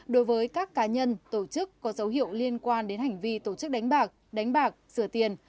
đối với các cá nhân tổ chức có dấu hiệu liên quan đến hành vi tổ chức đánh bạc đánh bạc sửa tiền